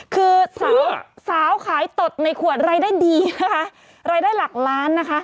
คือสาวสาวขายตดในขวดรายได้ดีนะคะรายได้หลักล้านนะคะ